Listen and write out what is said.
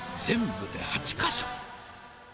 全部で８か所。